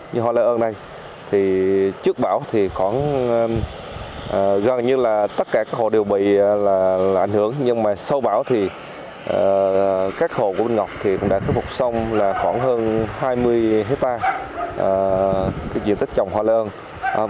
như hoa lây ơn này trước bão thì gần như là tất cả các hồ đều bị ảnh hưởng nhưng mà sau bão thì các hồ của bình ngọc thì cũng đã khắc phục xong khoảng hơn hai mươi hectare diện tích trồng hoa lây ơn